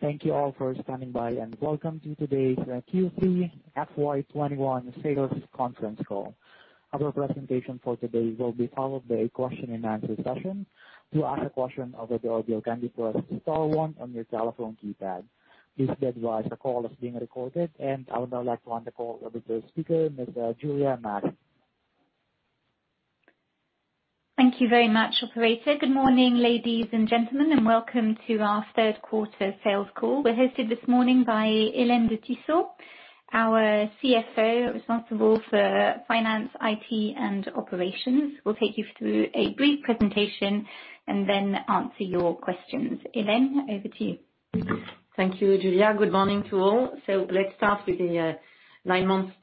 Thank you all for standing by, and welcome to today's Q3 FY 2021 Sales conference call. Our presentation for today will be followed by a question and answer session. To ask a question, the operator will guide you, press star one on your telephone keypad. Please be advised, the call is being recorded. I would now like to hand the call over to the speaker, Ms. Julia Massies. Thank you very much, operator. Good morning, ladies and gentlemen, and welcome to our third quarter sales call. We're hosted this morning by Hélène de Tissot, our CFO, responsible for finance, IT, and operations, will take you through a brief presentation and then answer your questions. Hélène, over to you. Thank you, Julia. Good morning to all. Let's start with the nine-month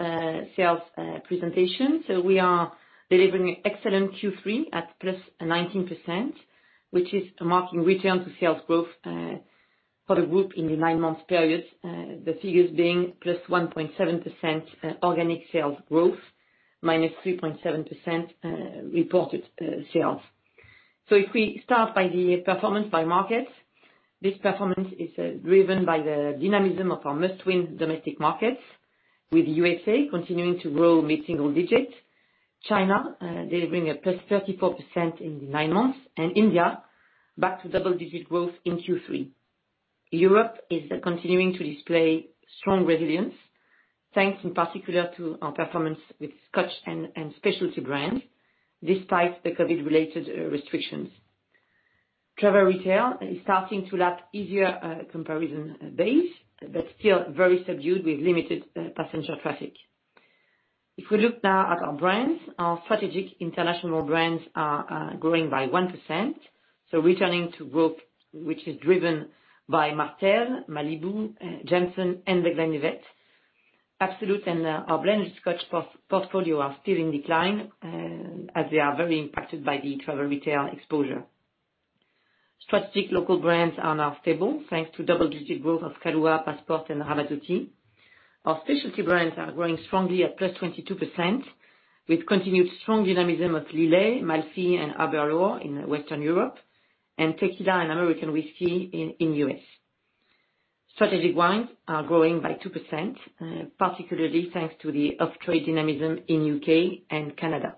sales presentation. We are delivering excellent Q3 at +19%, which is marking return to sales growth for the group in the nine-month period. The figures being +1.7% organic sales growth, -3.7% reported sales. If we start by the performance by markets, this performance is driven by the dynamism of our Must-win domestic markets, with U.S.A. continuing to grow mid-single digit. China delivering a +34% in the nine months, and India back to double-digit growth in Q3. Europe is continuing to display strong resilience, thanks in particular to our performance with Scotch and Specialty brands, despite the COVID-related restrictions. Travel retail is starting to lap easier comparison base, but still very subdued with limited passenger traffic. If we look now at our brands, our strategic international brands are growing by 1%. Returning to growth, which is driven by Martell, Malibu, Jameson, and The Glenlivet. Absolut and our blended Scotch portfolio are still in decline, as they are very impacted by the travel retail exposure. Strategic local brands are now stable, thanks to double-digit growth of Kahlúa, Passport, and Ramazzotti. Our Specialty Brands are growing strongly at +22%, with continued strong dynamism of Lillet, Malfy, and Aberlour in Western Europe, and Tequila and American whiskey in U.S. Strategic Wines are growing by 2%, particularly thanks to the off-trade dynamism in U.K. and Canada.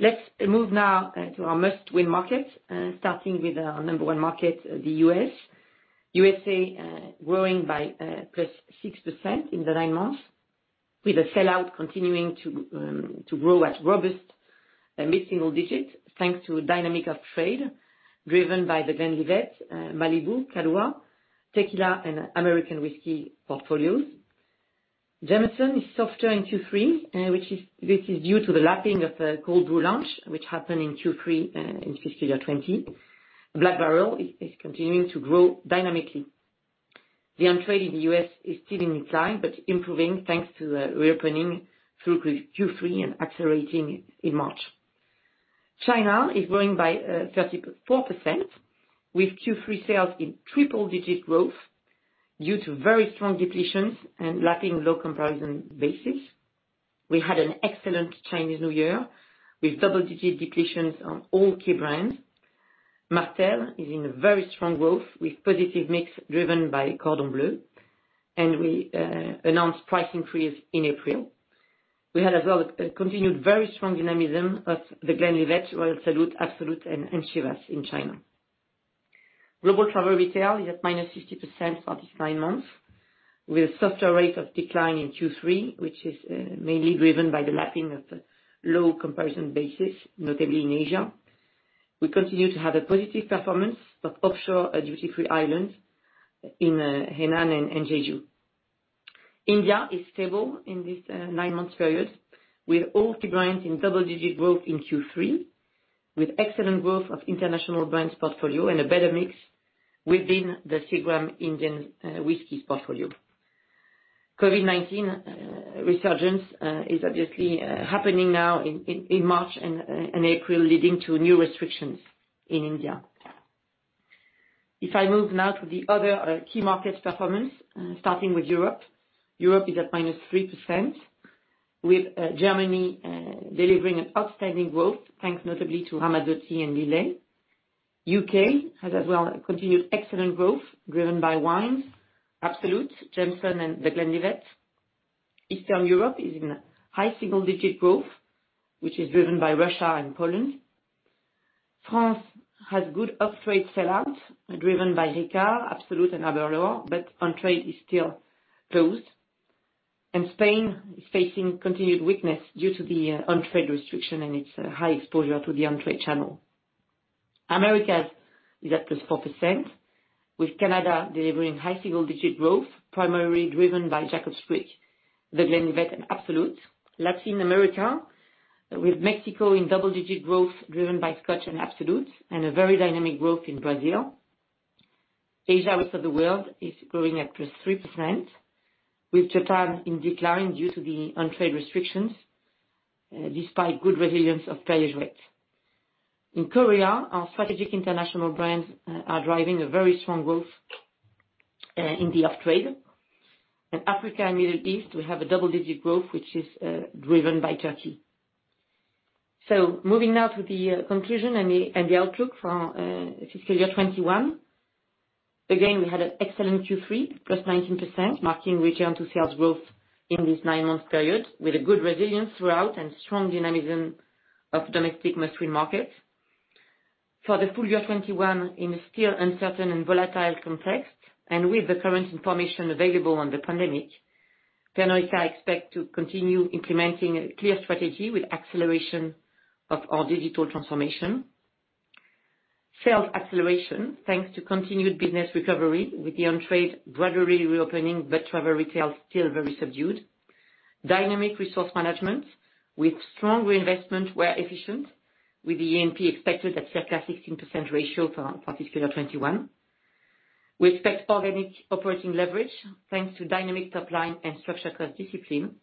Let's move now to our Must-win markets, starting with our number one market, the U.S. U.S. growing by +6% in the nine months, with the sell-out continuing to grow at robust mid-single digit, thanks to dynamic off-trade driven by The Glenlivet, Malibu, Kahlúa, Tequila, and American whiskey portfolios. Jameson is softer in Q3, this is due to the lapping of the Cold Brew launch, which happened in Q3 in fiscal year 2020. Black Barrel is continuing to grow dynamically. The on-trade in the U.S. is still in decline, but improving thanks to the reopening through Q3 and accelerating in March. China is growing by 34% with Q3 sales in triple digit growth due to very strong depletions and lapping low comparison bases. We had an excellent Chinese New Year with double-digit depletions on all key brands. Martell is in very strong growth with positive mix driven by Cordon Bleu. We announced price increase in April. We had as well a continued very strong dynamism of The Glenlivet, Royal Salute, Absolut and Chivas in China. Global travel retail is at -50% for these nine months, with softer rate of decline in Q3, which is mainly driven by the lapping of the low comparison bases, notably in Asia. We continue to have a positive performance of offshore duty-free islands in Hainan and Jeju. India is stable in this nine-month period, with all key brands in double-digit growth in Q3, with excellent growth of international brands portfolio and a better mix within the Seagram's Indian whiskies portfolio. COVID-19 resurgence is obviously happening now in March and April, leading to new restrictions in India. If I move now to the other key market performance, starting with Europe. Europe is at -3%, with Germany delivering an outstanding growth, thanks notably to Ramazzotti and Lillet. U.K. has as well continued excellent growth, driven by Wines, Absolut, Jameson and The Glenlivet. Eastern Europe is in high single-digit growth, which is driven by Russia and Poland. France has good off-trade sell-out, driven by Ricard, Absolut, and Aberlour, but on-trade is still closed. Spain is facing continued weakness due to the on-trade restriction and its high exposure to the on-trade channel. Americas is at +4%, with Canada delivering high single-digit growth, primarily driven by Jacob's Creek, The Glenlivet and Absolut. Latin America, with Mexico in double-digit growth, driven by Scotch and Absolut, and a very dynamic growth in Brazil. Asia-Rest of the World is growing at +3%, with Japan in decline due to the on-trade restrictions, despite good resilience of Perrier-Jouët. In Korea, our strategic international brands are driving a very strong growth in the off-trade. In Africa and Middle East, we have a double-digit growth, which is driven by Turkey. Moving now to the conclusion and the outlook for fiscal year 2021. Again, we had an excellent Q3, +19%, marking return to sales growth in this nine-month period, with a good resilience throughout and strong dynamism of domestic mainstream markets. For the full year 2021, in a still uncertain and volatile context, and with the current information available on the pandemic, Pernod Ricard expect to continue implementing a clear strategy with acceleration of our digital transformation. Sales acceleration, thanks to continued business recovery with the on-trade gradually reopening, but travel retail's still very subdued. Dynamic resource management with strong reinvestment where efficient, with the A&P expected at circa 16% ratio for fiscal year 2021. We expect organic operating leverage thanks to dynamic top line and structural cost discipline,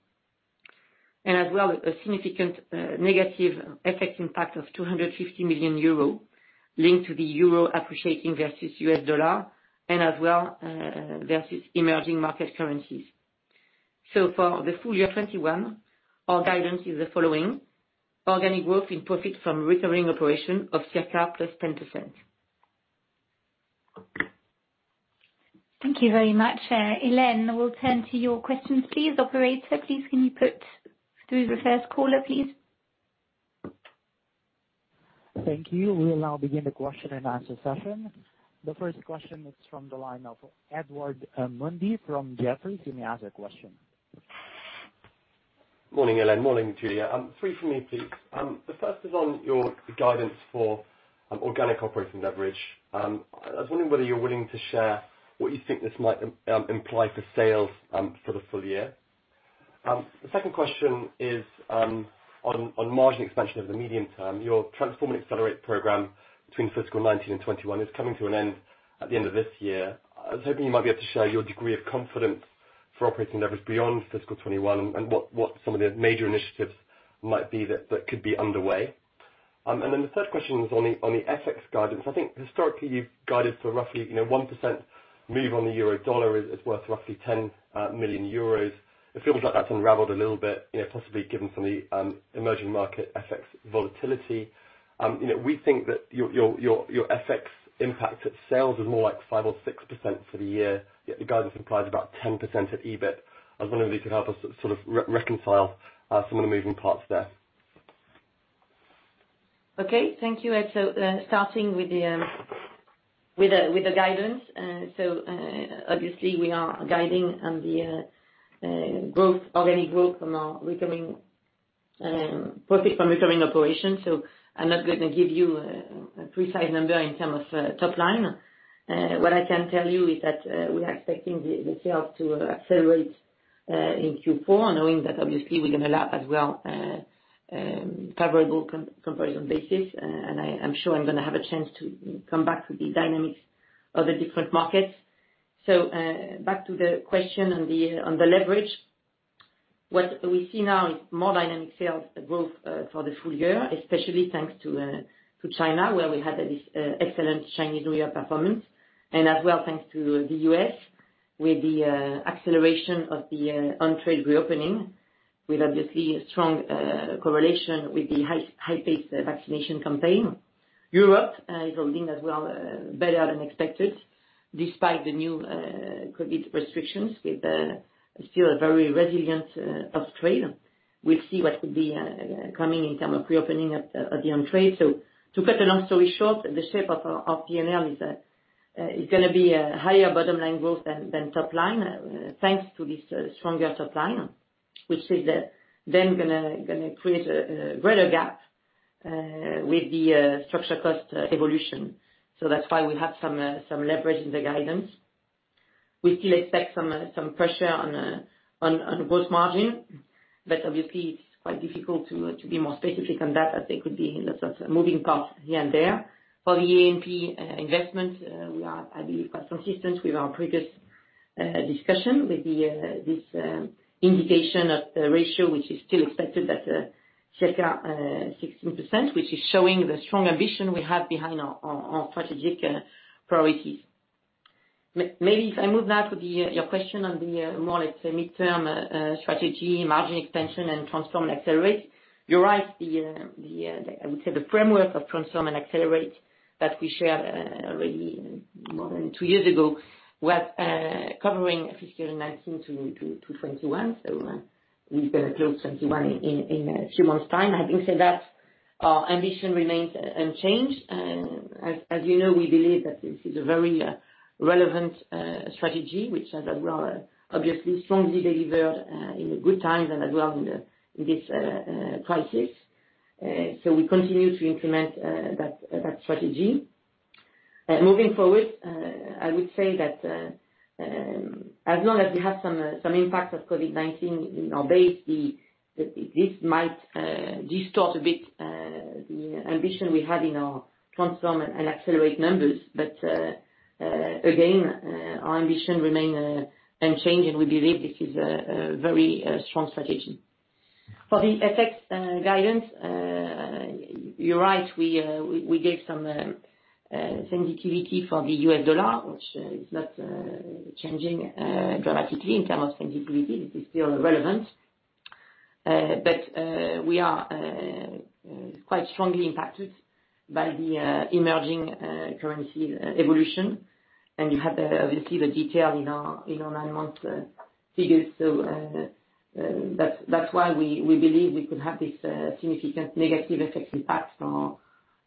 as well as a significant negative FX impact of 250 million euro linked to the euro appreciating versus U.S. dollar and as well versus emerging market currencies. For the full year 2021, our guidance is the following: organic growth in profit from recurring operation of circa +10%. Thank you very much. Hélène, we'll turn to your questions. Please, operator, please can you put through the first caller, please? Thank you. We'll now begin the question and answer session. The first question is from the line of Edward Mundy from Jefferies. You may ask your question. Morning, Hélène. Morning, Julia. Three from me, please. The first is on your guidance for organic operating leverage. I was wondering whether you're willing to share what you think this might imply for sales for the full year. The second question is on margin expansion over the medium term. Your Transform and Accelerate program between fiscal 2019 and 2021 is coming to an end at the end of this year. I was hoping you might be able to share your degree of confidence for operating leverage beyond fiscal 2021 and what some of the major initiatives might be that could be underway. The third question was on the FX guidance. I think historically you've guided for roughly 1% move on the EUR/USD, is worth roughly 10 million euros. It feels like that's unraveled a little bit, possibly given some of the emerging market FX volatility. We think that your FX impact at sales is more like 5% or 6% for the year, yet the guidance implies about 10% at EBIT. I was wondering if you could help us sort of reconcile some of the moving parts there? Okay. Thank you. Starting with the guidance. Obviously, we are guiding on the organic growth from our profit from recurring operations, so I'm not going to give you a precise number in terms of top line. What I can tell you is that we are expecting the sales to accelerate in Q4, knowing that obviously we're going to lap as well favorable comparison basis. I'm sure I'm going to have a chance to come back to the dynamics of the different markets. Back to the question on the leverage. What we see now is more dynamic sales growth for the full year, especially thanks to China, where we had this excellent Chinese New Year performance, and as well, thanks to the U.S., with the acceleration of the on-trade reopening, with obviously a strong correlation with the high-paced vaccination campaign. Europe is holding as well better than expected despite the new COVID restrictions, with still a very resilient off-trade. We'll see what could be coming in terms of reopening of the on-trade. To cut a long story short, the shape of P&L is going to be a higher bottom-line growth than top line, thanks to this stronger top line, which is then going to create a greater gap with the structural cost evolution. That's why we have some leverage in the guidance. We still expect some pressure on gross margin, obviously, it's quite difficult to be more specific on that as there could be lots of moving parts here and there. For the A&P investment, we are, I believe, quite consistent with our previous discussion with this indication of the ratio, which is still expected at circa 16%, which is showing the strong ambition we have behind our strategic priorities. Maybe if I move now to your question on the more midterm strategy, margin expansion, and Transform and Accelerate. You're right, I would say the framework of Transform and Accelerate that we shared already more than two years ago, was covering fiscal 2019 to 2021, so we're going to close 2021 in two months' time. Having said that, our ambition remains unchanged. As you know, we believe that this is a very relevant strategy, which has as well obviously strongly delivered in the good times and as well in this crisis. We continue to implement that strategy. Moving forward, I would say that, as long as we have some impact of COVID-19 in our base, this might distort a bit the ambition we had in our Transform and Accelerate numbers. Again, our ambition remains unchanged, and we believe this is a very strong strategy. For the FX guidance, you're right, we gave some sensitivity for the U.S. dollar, which is not changing dramatically in terms of sensitivity. This is still relevant. We are quite strongly impacted by the emerging currency evolution, and you have, obviously, the details in our nine-month figures. That's why we believe we could have this significant negative FX impact for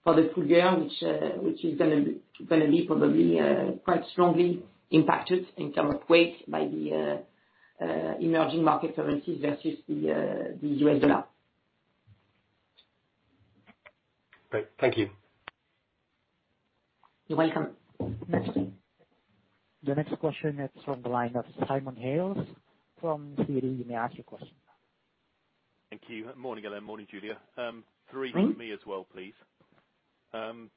the full year, which is going to be probably quite strongly impacted in terms of weight by the emerging market currencies versus the U.S. dollar. Great. Thank you. You're welcome. Next. The next question is from the line of Simon Hales from Citi. You may ask your question. Thank you. Morning, Hélène. Morning, Julia. Three from me as well, please. Can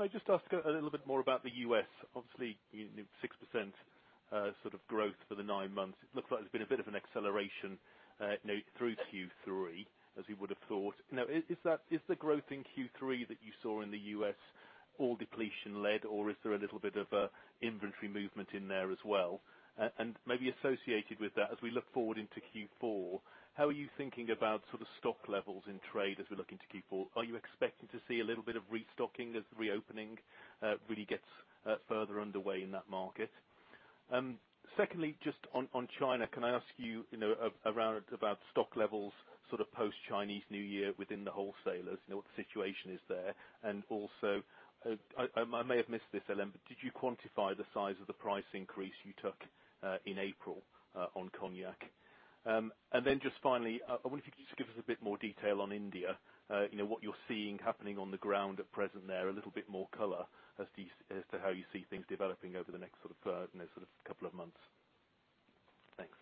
I just ask a little bit more about the U.S., obviously, 6% sort of growth for the nine months? It looks like there's been a bit of an acceleration through Q3, as you would have thought. Is the growth in Q3 that you saw in the U.S. all depletion-led, or is there a little bit of inventory movement in there as well? Maybe associated with that, as we look forward into Q4, how are you thinking about sort of stock levels in trade as we look into Q4? Are you expecting to see a little bit of restocking as the reopening really gets further underway in that market? Just on China, can I ask you around about stock levels, sort of post-Chinese New Year within the wholesalers, what the situation is there? Also, I may have missed this. Hélène, did you quantify the size of the price increase you took in April on cognac? Just finally, I wonder if you could just give us a bit more detail on India, what you're seeing happening on the ground at present there, a little bit more color as to how you see things developing over the next couple of months. Thanks.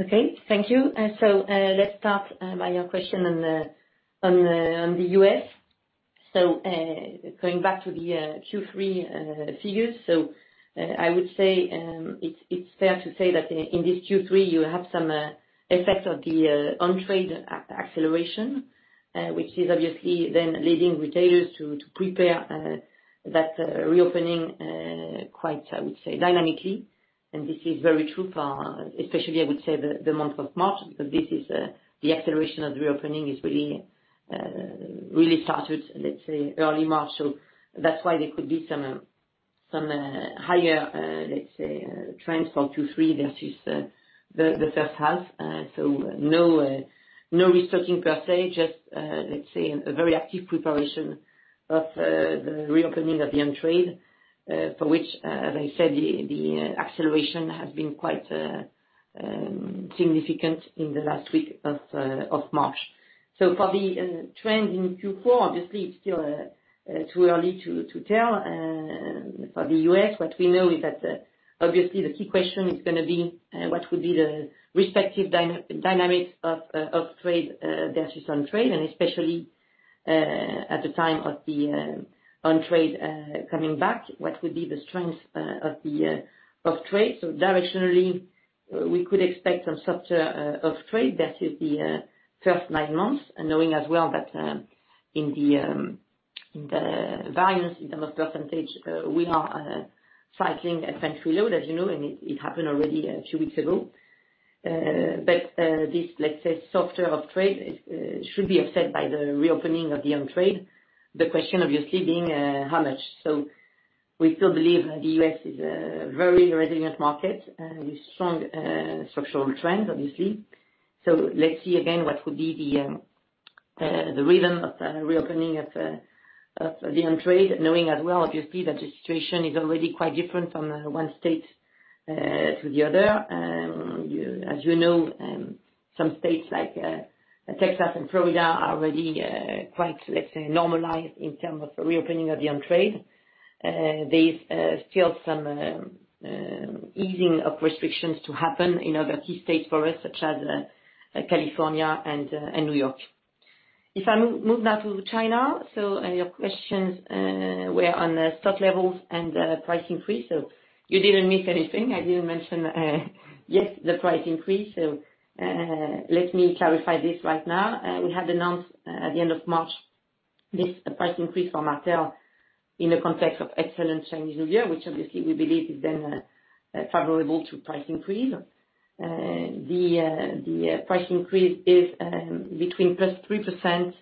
Okay. Thank you. Let's start by your question on the U.S. Going back to the Q3 figures, I would say, it's fair to say that in this Q3, you have some effect of the on-trade acceleration, which is obviously then leading retailers to prepare that reopening quite, I would say, dynamically, and this is very true for, especially, I would say, the month of March, because the acceleration of the reopening really started, let's say, early March. That's why there could be some higher, let's say, trends for Q3 versus the first half. No restocking per se, just, let's say, a very active preparation of the reopening of the on-trade, for which, as I said, the acceleration has been quite significant in the last week of March. For the trend in Q4, obviously, it's still too early to tell for the U.S. What we know is that obviously the key question is going to be what would be the respective dynamics of off-trade versus on-trade, and especially at the time of the on-trade coming back, what would be the strength of trade. Directionally, we could expect some softer off-trade versus the first nine months, knowing as well that in the volumes in terms of percentage, we are cycling at pantry loading, as you know, and it happened already two weeks ago. This, let's say, softer off-trade should be offset by the reopening of the on-trade. The question obviously being how much. We still believe the U.S. is a very resilient market with strong structural trends, obviously. Let's see again what would be the rhythm of the reopening of the on-trade, knowing as well, obviously, that the situation is already quite different from one state to the other. As you know, some states like Texas and Florida are already quite, let's say, normalized in terms of reopening of the on-trade. There is still some easing of restrictions to happen in other key states for us, such as California and New York. If I move now to China, your questions were on the stock levels and the price increase. You didn't miss anything. I didn't mention, yes, the price increase. Let me clarify this right now. We had announced at the end of March this price increase for Martell in the context of excellent Chinese New Year, which obviously we believe is then favorable to price increase. The price increase is between +3%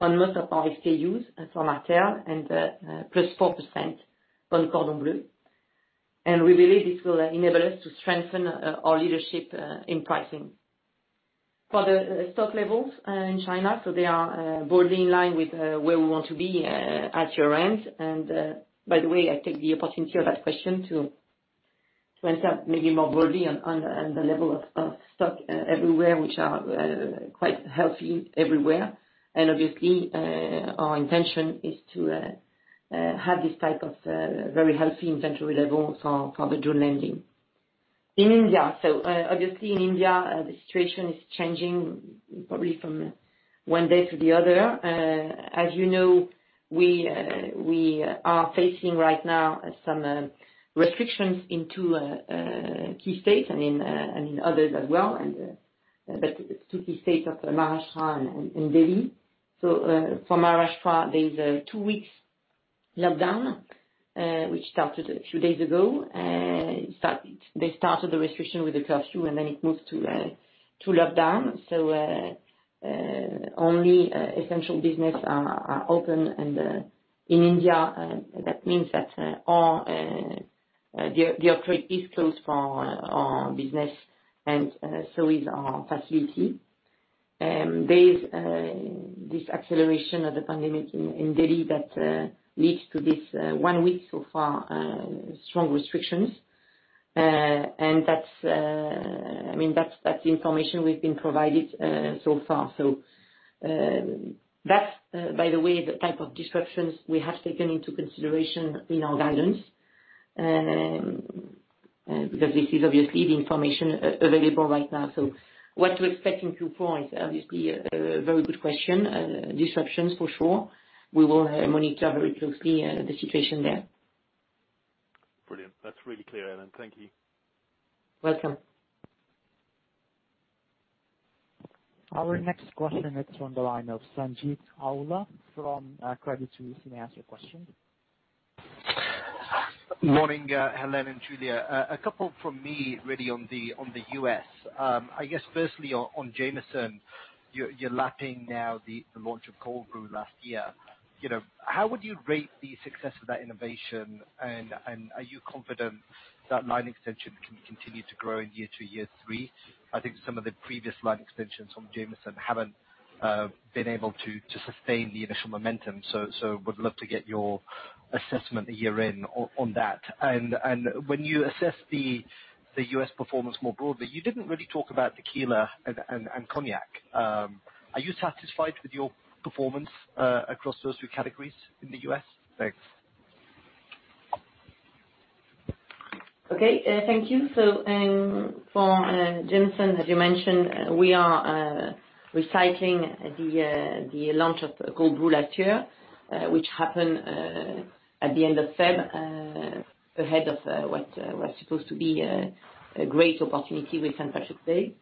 on most of our SKUs for Martell and +4% on Cordon Bleu. We believe this will enable us to strengthen our leadership in pricing. For the stock levels in China, they are broadly in line with where we want to be at year-end. By the way, I take the opportunity of that question to answer maybe more broadly on the level of stock everywhere, which are quite healthy everywhere. Obviously, our intention is to have this type of very healthy inventory level for the June ending. In India, obviously in India, the situation is changing probably from one day to the other. As you know, we are facing right now some restrictions in two key states and in others as well, but two key states of Maharashtra and Delhi. For Maharashtra, there's a two weeks lockdown, which started a few days ago. They started the restriction with a curfew, and then it moved to lockdown. Only essential businesses are open. In India, that means that our distillery is closed for our business and so is our facility. There is this acceleration of the pandemic in Delhi that leads to this one week so far, strong restrictions. That's the information we've been provided so far. That's, by the way, the type of disruptions we have taken into consideration in our guidance, because this is obviously the information available right now. What to expect in Q4 is obviously a very good question. Disruptions for sure. We will monitor very closely the situation there. Brilliant. That's really clear, Hélène. Thank you. Welcome. Our next question is from the line of Sanjeet Aujla from Credit Suisse. You may ask your question. Morning, Hélène and Julia. A couple from me really on the U.S. I guess firstly on Jameson, you're lapping now the launch of Cold Brew last year. How would you rate the success of that innovation, and are you confident that line extension can continue to grow in year two, year three? I think some of the previous line extensions from Jameson haven't been able to sustain the initial momentum. Would love to get your assessment a year in on that. When you assess the U.S. performance more broadly, you didn't really talk about tequila and cognac. Are you satisfied with your performance across those two categories in the U.S.? Thanks. Okay. Thank you. For Jameson, as you mentioned, we are recycling the launch of Cold Brew last year, which happened at the end of February, ahead of what was supposed to be a great opportunity with St. Patrick's Day.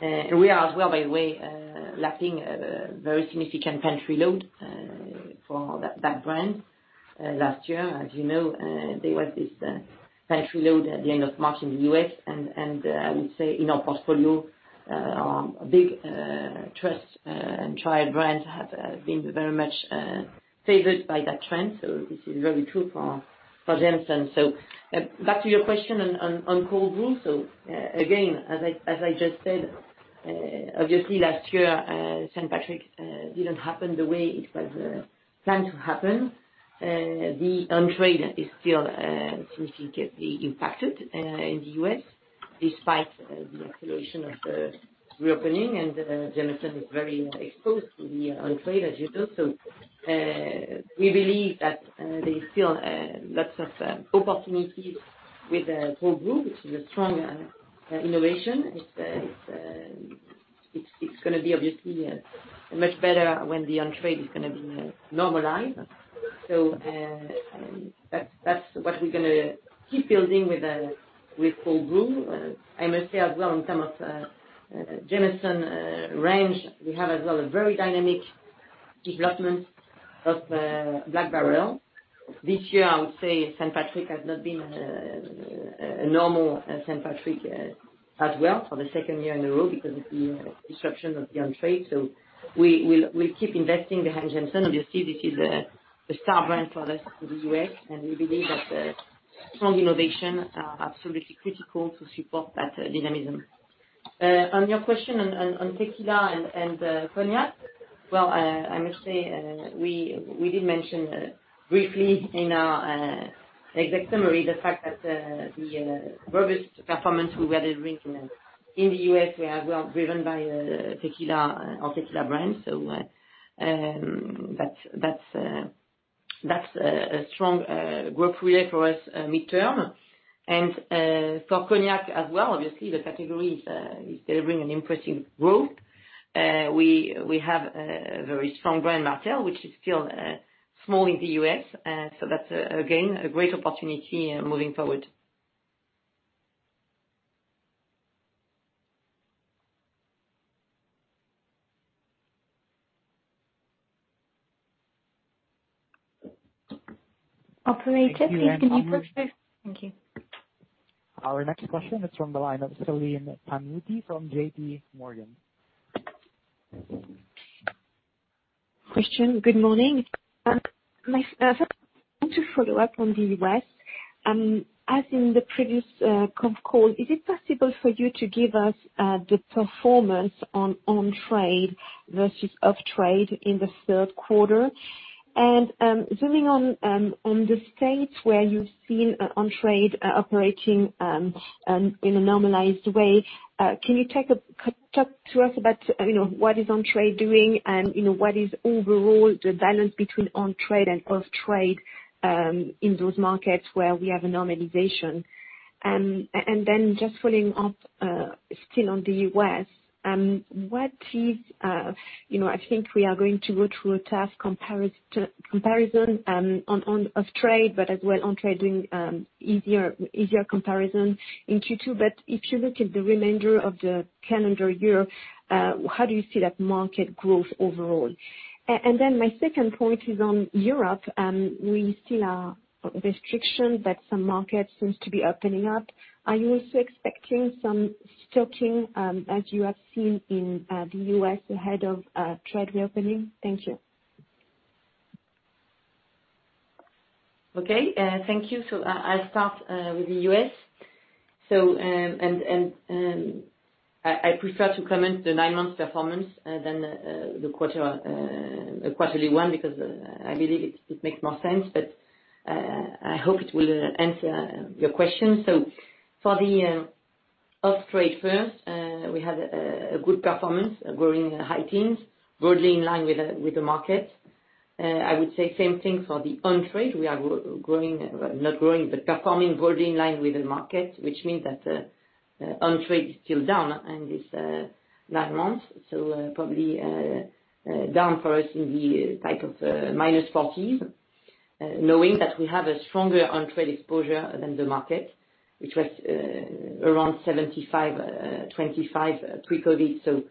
We are as well, by the way, lapping a very significant pantry loading for that brand last year. As you know, there was this pantry loading at the end of March in the U.S. and I would say in our portfolio, our big trust and tried brands have been very much favored by that trend. This is very true for Jameson. Back to your question on Cold Brew. Again, as I just said, obviously, last year, St. Patrick's didn't happen the way it was planned to happen. The on-trade is still significantly impacted in the U.S. despite the acceleration of the reopening, and Jameson is very exposed to the on-trade, as you know. We believe that there is still lots of opportunities with Cold Brew, which is a strong innovation. It's going to be obviously much better when the on-trade is going to be normalized. That's what we're going to keep building with Cold Brew. I must say, as well, in terms of Jameson range, we have as well a very dynamic development of Black Barrel. This year, I would say St. Patrick has not been a normal St. Patrick, as well for the second year in a row because of the disruption of the on-trade. We'll keep investing behind Jameson. Obviously, this is a star brand for us in the U.S., and we believe that strong innovation are absolutely critical to support that dynamism. On your question on tequila and cognac, well, I must say, we did mention briefly in our exec summary the fact that the robust performance we had in drinks in the U.S. were as well driven by our tequila brand. That's a strong growth relay for us midterm. For cognac as well, obviously, the category is delivering an impressive growth. We have a very strong brand, Martell, which is still small in the U.S., so that's again a great opportunity moving forward. Operator, please, can you proceed? Thank you. Our next question is from the line of Céline Pannuti from JPMorgan. Christian, good morning. First, I want to follow up on the U.S. As in the previous conf call, is it possible for you to give us the performance on on-trade versus off-trade in the third quarter? Zooming on the states where you've seen on-trade operating in a normalized way, can you talk to us about what is on-trade doing and what is overall the balance between on-trade and off-trade in those markets where we have a normalization? Just following up, still on the U.S., I think we are going to go through a tough comparison of trade, but as well on trade, doing easier comparison in Q2. If you look at the remainder of the calendar year, how do you see that market growth overall? My second point is on Europe. We still are restriction, but some markets seems to be opening up. Are you also expecting some stocking, as you have seen in the U.S. ahead of trade reopening? Thank you. Okay. Thank you. I'll start with the U.S. I prefer to comment the nine months performance than the quarterly one, because I believe it makes more sense, but I hope it will answer your question. For the off-trade first, we had a good performance, growing 17%-19%, broadly in line with the market. I would say same thing for the on-trade. We are performing broadly in line with the market, which means that on-trade is still down in this nine months. Probably down for us in the type of -14%, knowing that we have a stronger on-trade exposure than the market, which was around 75%, 25% pre-COVID.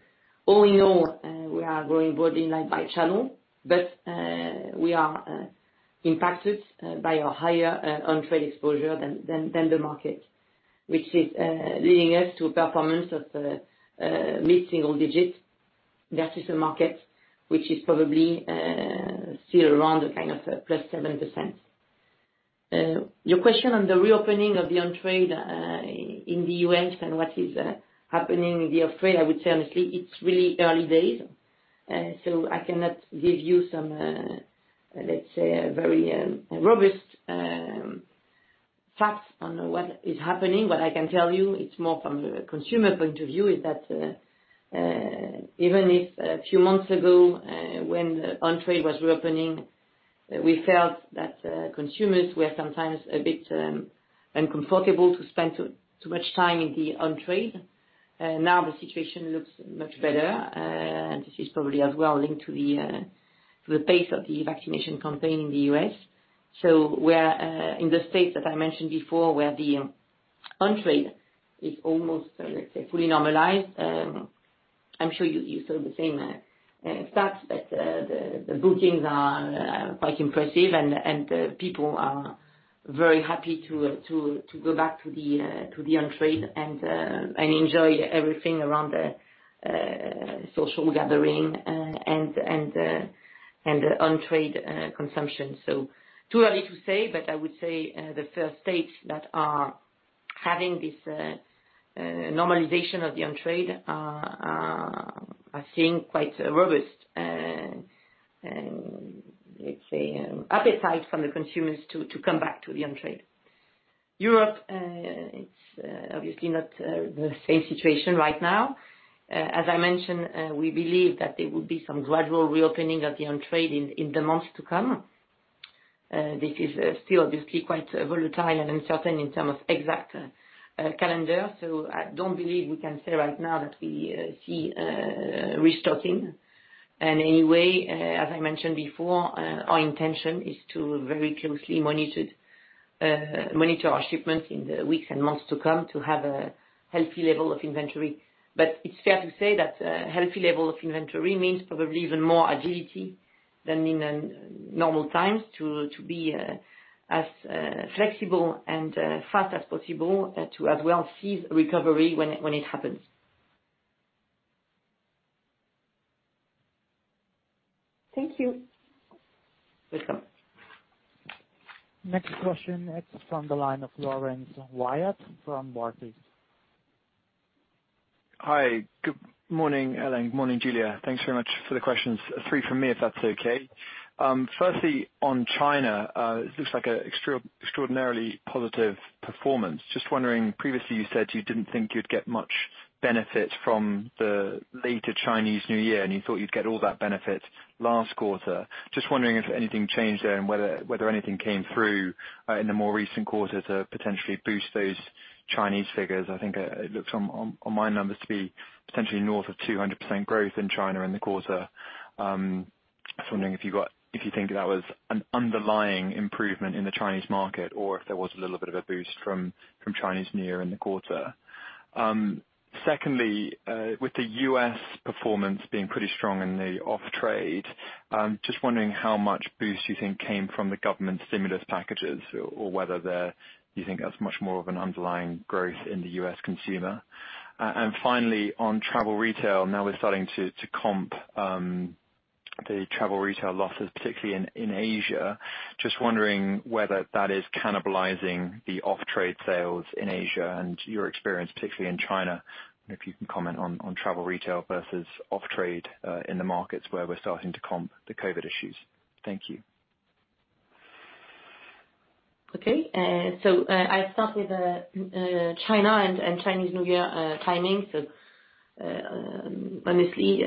All in all, we are growing broadly in line by channel, but we are impacted by a higher on-trade exposure than the market, which is leading us to a performance of mid-single digits versus the market, which is probably still around +7%. Your question on the reopening of the on-trade in the U.S. and what is happening in the off-trade, I would say, honestly, it's really early days. I cannot give you some, let's say, very robust facts on what is happening. What I can tell you, it's more from the consumer point of view, is that even if a few months ago, when on-trade was reopening, we felt that consumers were sometimes a bit uncomfortable to spend too much time in the on-trade. Now the situation looks much better. This is probably as well linked to the pace of the vaccination campaign in the U.S. We are in the state that I mentioned before, where the on-trade is almost, let's say, fully normalized. I'm sure you saw the same stats, that the bookings are quite impressive and the people are very happy to go back to the on-trade and enjoy everything around the social gathering and the on-trade consumption. Too early to say, but I would say the first states that are having this normalization of the on-trade are seeing quite robust, let's say, appetite from the consumers to come back to the on-trade. Europe, it's obviously not the same situation right now. As I mentioned, we believe that there will be some gradual reopening of the on-trade in the months to come. This is still obviously quite volatile and uncertain in terms of exact calendar. I don't believe we can say right now that we see restocking. Anyway, as I mentioned before, our intention is to very closely monitor our shipments in the weeks and months to come to have a healthy level of inventory. It's fair to say that a healthy level of inventory means probably even more agility than in normal times to be as flexible and fast as possible, to as well seize recovery when it happens. Thank you. Welcome. Next question is from the line of Laurence Whyatt from Barclays. Hi. Good morning, Hélène. Morning, Julia. Thanks very much for the questions. Three from me, if that's okay. Firstly, on China, it looks like an extraordinarily positive performance. Just wondering, previously, you said you didn't think you'd get much benefit from the later Chinese New Year, and you thought you'd get all that benefit last quarter. Just wondering if anything changed there and whether anything came through in the more recent quarter to potentially boost those Chinese figures. I think it looks on my numbers to be potentially north of 200% growth in China in the quarter. Just wondering if you think that was an underlying improvement in the Chinese market or if there was a little bit of a boost from Chinese New Year in the quarter. Secondly, with the U.S. performance being pretty strong in the off-trade, just wondering how much boost you think came from the government stimulus packages, or whether you think that's much more of an underlying growth in the U.S. consumer. Finally, on travel retail, now we're starting to comp the travel retail losses, particularly in Asia. Just wondering whether that is cannibalizing the off-trade sales in Asia, and your experience, particularly in China, and if you can comment on travel retail versus off-trade in the markets where we're starting to comp the COVID issues. Thank you. Okay. I'll start with China and Chinese New Year timing. Honestly,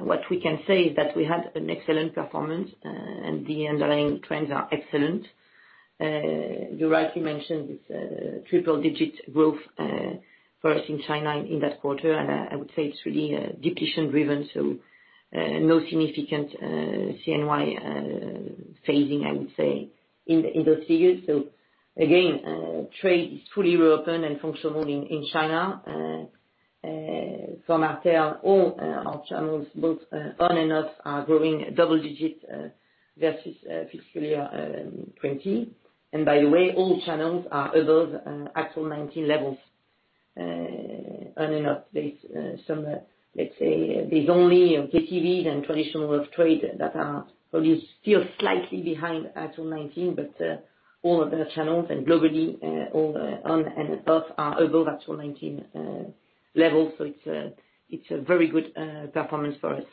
what we can say is that we had an excellent performance, and the underlying trends are excellent. You rightly mentioned this triple-digit growth for us in China in that quarter, and I would say it's really depletion-driven, so no significant CNY phasing, I would say, in those figures. Again, trade is fully reopened and functional in China. From our side, all our channels, both on and off, are growing double digits versus fiscal year 2020. By the way, all channels are above actual 2019 levels, on and off. There's only KTVs and traditional off-trade that are probably still slightly behind actual 2019. All other channels and globally, all on and off, are above actual 2019 levels. It's a very good performance for us.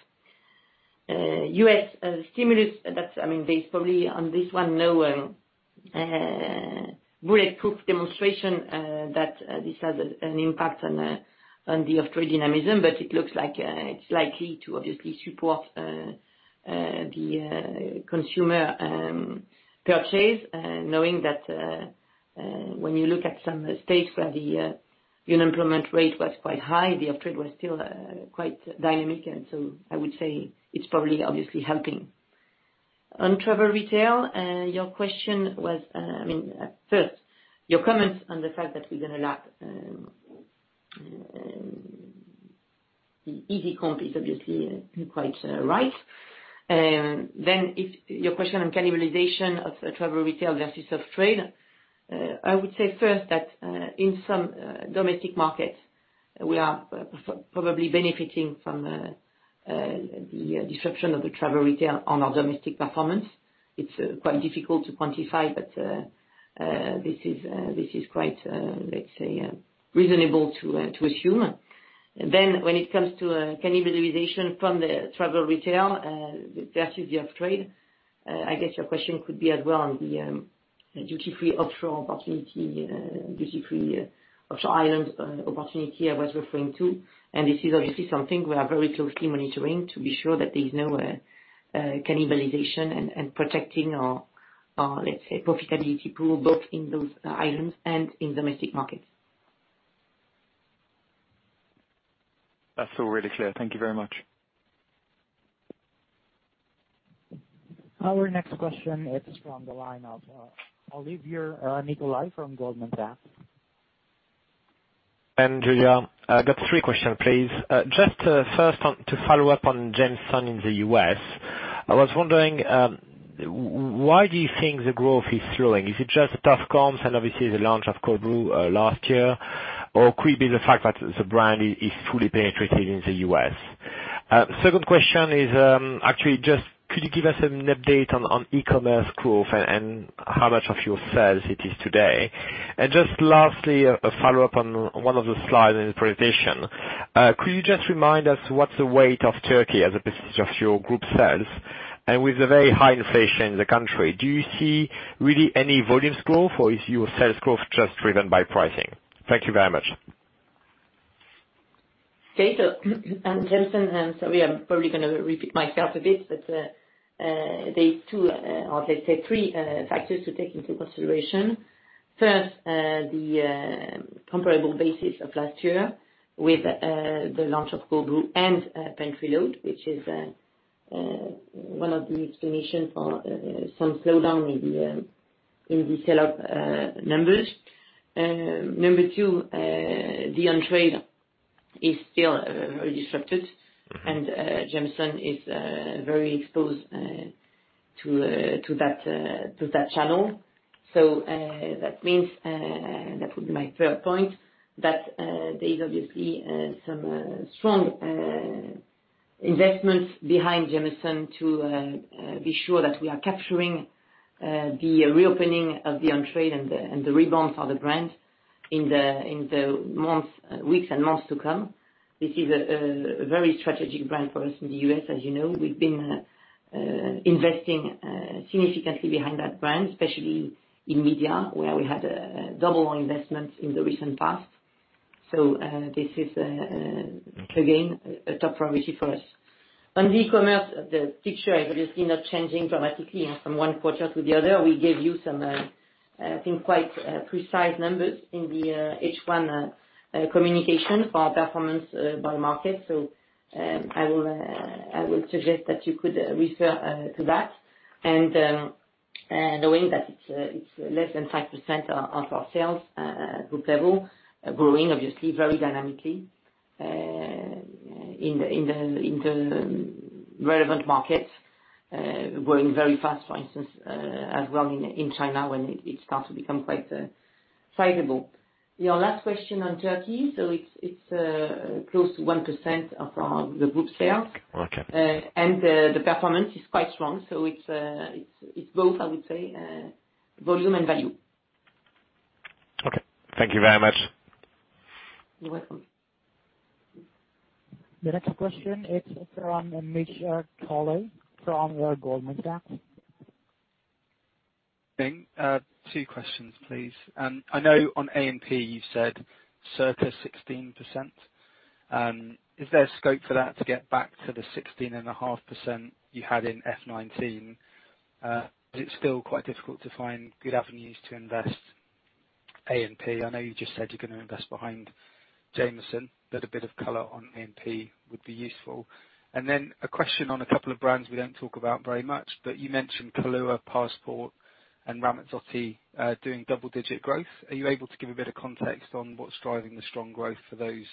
U.S. stimulus, there's probably on this one no bulletproof demonstration that this has an impact on the off-trade dynamism. It looks like it's likely to obviously support the consumer purchase, knowing that when you look at some states where the unemployment rate was quite high, the off-trade was still quite dynamic. I would say it's probably obviously helping. On travel retail, first, your comments on the fact that we're going to lap easy comps is obviously quite right. Your question on cannibalization of travel retail versus off-trade, I would say first that in some domestic markets, we are probably benefiting from the disruption of the travel retail on our domestic performance. It's quite difficult to quantify, this is quite reasonable to assume. When it comes to cannibalization from the travel retail versus the off-trade, I guess your question could be as well on the duty-free offshore opportunity, duty-free offshore island opportunity I was referring to. This is obviously something we are very closely monitoring to be sure that there is no cannibalization, and protecting our profitability pool, both in those islands and in domestic markets. That's all really clear. Thank you very much. Our next question is from the line of Olivier Nicolai from Goldman Sachs. Hi Hélène, Julia. I've got three questions, please. Just first to follow up on Jameson in the U.S., I was wondering, why do you think the growth is slowing? Is it just tough comps and obviously the launch of Cold Brew last year, or could it be the fact that the brand is fully penetrated in the U.S.? Second question is actually just could you give us an update on e-commerce growth and how much of your sales it is today? Just lastly, a follow-up on one of the slides in the presentation. Could you just remind us what's the weight of Turkey as a percent of your group sales? With the very high inflation in the country, do you see really any volumes growth or is your sales growth just driven by pricing? Thank you very much. Okay. On Jameson, and sorry, I'm probably going to repeat myself a bit, but there's two, or let's say three, factors to take into consideration. First, the comparable basis of last year with the launch of Cold Brew and pantry loading, which is one of the explanations for some slowdown in the sell-off numbers. Number two, the on-trade is still very disrupted, and Jameson is very exposed to that channel. That means that would be my third point, that there's obviously some strong investments behind Jameson to be sure that we are capturing the reopening of the on-trade and the rebound for the brand in the weeks and months to come. This is a very strategic brand for us in the U.S. As you know, we've been investing significantly behind that brand, especially in media, where we had double more investments in the recent past. This is, again, a top priority for us. On e-commerce, the picture is obviously not changing dramatically from one quarter to the other. We gave you some, I think, quite precise numbers in the H1 communication for our performance by market. I will suggest that you could refer to that. Knowing that it's less than 5% of our sales group level, growing obviously very dynamically in the relevant markets, growing very fast, for instance, as well in China, where it starts to become quite sizable. Your last question on Turkey, so it's close to 1% of the group sales. Okay. The performance is quite strong. It's both, I would say, volume and value. Okay. Thank you very much. You're welcome. The next question is from Mitchell Collett from Deutsche Bank. Two questions, please. I know on A&P, you said circa 16%. Is there scope for that to get back to the 16.5% you had in FY 2019? Is it still quite difficult to find good avenues to invest A&P? I know you just said you're going to invest behind Jameson, but a bit of color on A&P would be useful. Then a question on a couple of brands we don't talk about very much, but you mentioned Kahlúa, Passport, and Ramazzotti doing double-digit growth. Are you able to give a bit of context on what's driving the strong growth for those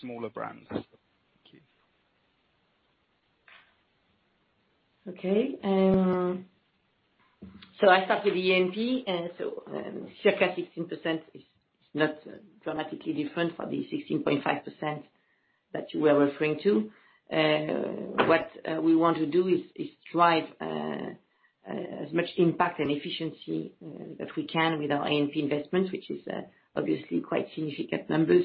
smaller brands? Thank you. I'll start with the A&P. Circa 16% is not dramatically different from the 16.5% that you were referring to. What we want to do is drive as much impact and efficiency that we can with our A&P investments, which is obviously quite significant numbers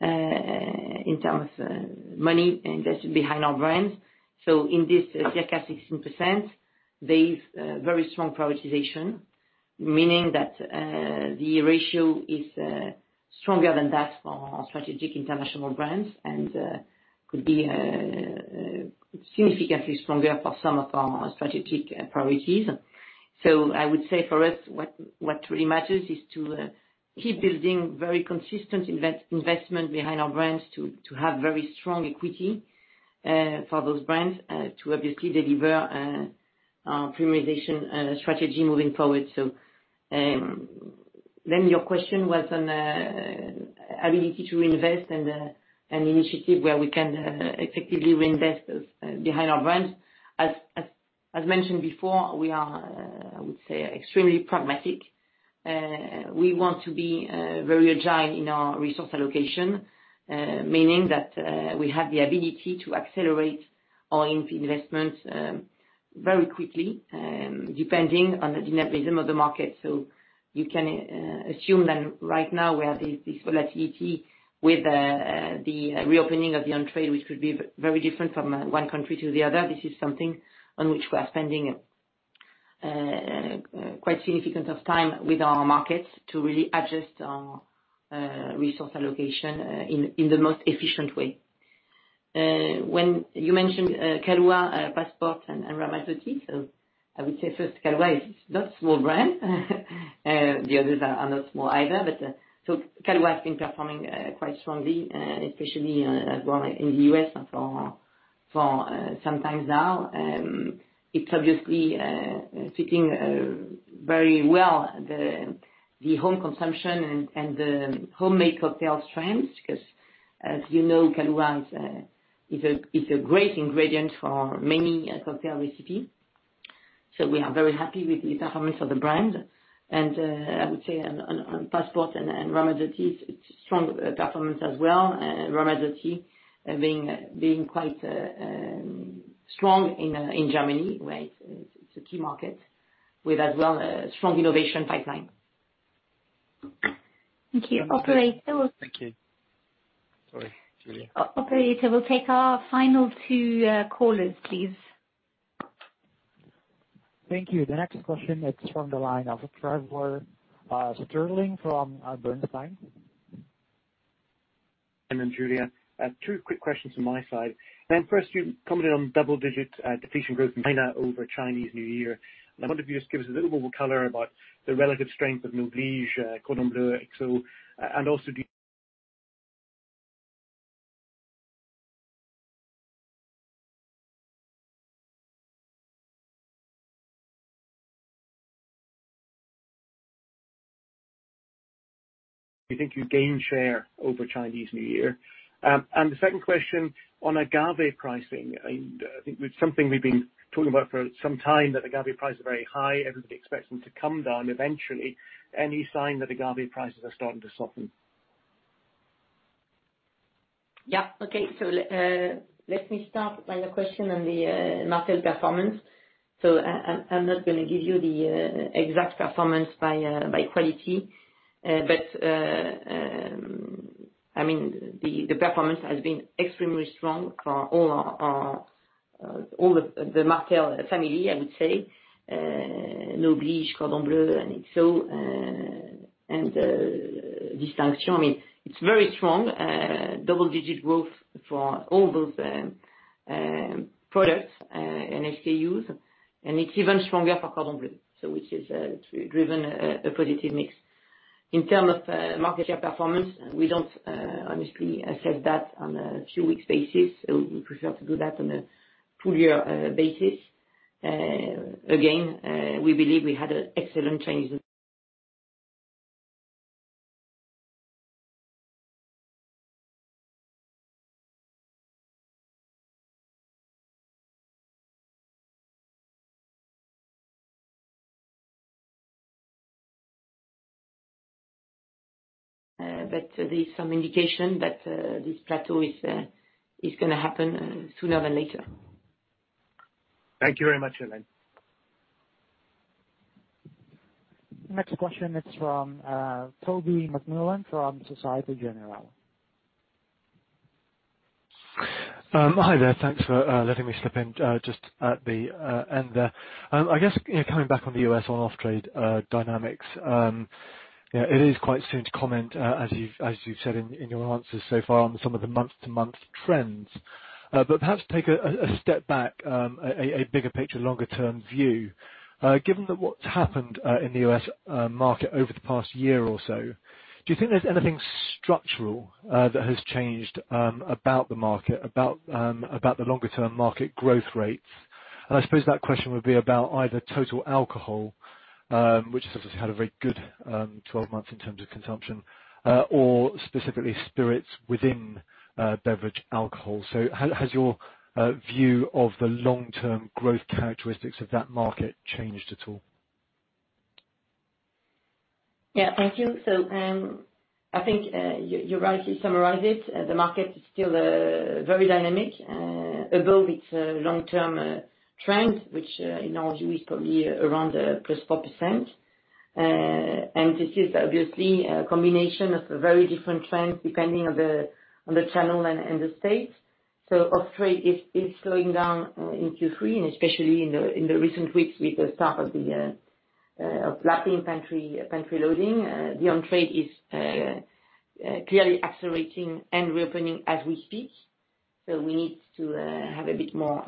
in terms of money invested behind our brands. In this circa 16%, there is very strong prioritization, meaning that the ratio is stronger than that for our strategic international brands and could be significantly stronger for some of our strategic priorities. I would say for us, what really matters is to keep building very consistent investment behind our brands to have very strong equity for those brands to obviously deliver our premiumization strategy moving forward. Your question was on ability to invest and initiative, where we can effectively reinvest behind our brands. As mentioned before, we are, I would say, extremely pragmatic. We want to be very agile in our resource allocation, meaning that we have the ability to accelerate our A&P investments very quickly, depending on the dynamism of the market. You can assume that right now we have this volatility with the reopening of the on-trade, which could be very different from one country to the other. This is something on which we are spending quite significant of time with our markets to really adjust our resource allocation in the most efficient way. When you mentioned Kahlúa, Passport, and Ramazzotti, I would say first, Kahlúa is not a small brand. The others are not small either. Kahlúa has been performing quite strongly, especially as well in the U.S. for some time now. It's obviously sitting very well, the home consumption and the homemade cocktail trends, because, as you know, Kahlúa is a great ingredient for many cocktail recipes. We are very happy with the performance of the brand. I would say on Passport and Ramazzotti, strong performance as well. Ramazzotti being quite strong in Germany, where it's a key market with, as well, a strong innovation pipeline. Thank you. Operator? Thank you. Sorry. Operator, we'll take our final two callers, please. Thank you. The next question is from the line of Trevor Stirling from Bernstein. Hélène, Julia, two quick questions from my side. First, you commented on double-digit depletion growth in China over Chinese New Year. I wonder if you could just give us a little more color about the relative strength of Martell Noblige, Martell Cordon Bleu, Martell XO, and also, do you think you gained share over Chinese New Year? The second question on agave pricing, and I think something we've been talking about for some time, that agave prices are very high. Everybody expects them to come down eventually. Any sign that agave prices are starting to soften? Yeah. Okay. Let me start on your question on the Martell performance. I'm not going to give you the exact performance by quality. The performance has been extremely strong for all the Martell family, I would say. Noblige, Cordon Bleu, and XO, and Distinction. It's very strong. Double-digit growth for all those products and SKUs, and it's even stronger for Cordon Bleu. Which has driven a positive mix. In terms of market share performance, we don't honestly assess that on a two-week basis. We prefer to do that on a full year basis. Again, we believe we had an excellent Chinese New Year. There is some indication that this plateau is going to happen sooner than later. Thank you very much, Hélène. Next question is from Toby McCullagh from Société Générale. Hi there. Thanks for letting me slip in just at the end there. I guess, coming back on the U.S. on off-trade dynamics, it is quite soon to comment, as you've said in your answers so far on some of the month-to-month trends. Perhaps take a step back, a bigger picture, longer-term view. Given that what's happened in the U.S. market over the past year or so, do you think there's anything structural that has changed about the market, about the longer-term market growth rates? I suppose that question would be about either total alcohol, which has obviously had a very good 12 months in terms of consumption, or specifically spirits within beverage alcohol. Has your view of the long-term growth characteristics of that market changed at all? Yeah. Thank you. I think you rightly summarized it. The market is still very dynamic, above its long-term trend, which in our view is probably around +4%. This is obviously a combination of very different trends depending on the channel and the state. Off-trade is slowing down in Q3 and especially in the recent weeks with the start of lapping pantry loading. The on-trade is clearly accelerating and reopening as we speak. We need to have a bit more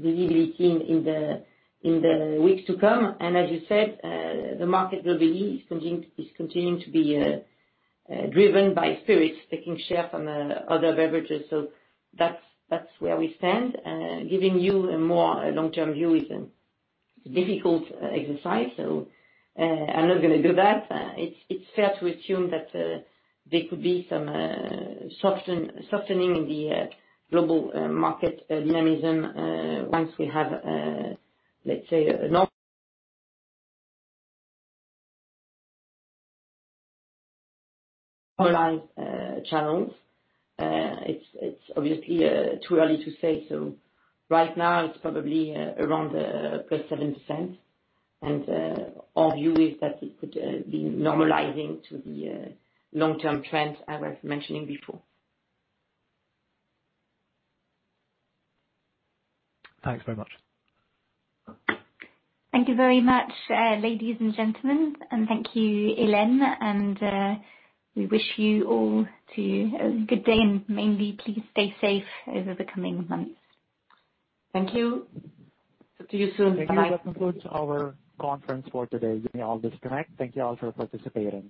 visibility in the weeks to come. As you said, the market really is continuing to be driven by spirits taking share from other beverages. That's where we stand. Giving you a more long-term view is a difficult exercise, so I'm not going to do that. It's fair to assume that there could be some softening in the global market dynamism once we have, let's say, [normalized] channels. It's obviously too early to say. Right now, it's probably around +7%, and our view is that it could be normalizing to the long-term trends I was mentioning before. Thanks very much. Thank you very much, ladies and gentlemen, and thank you, Hélène, and we wish you all to have a good day. Mainly, please stay safe over the coming months. Thank you. Talk to you soon. Bye-bye. Thank you. That concludes our conference for today. You may all disconnect. Thank you all for participating.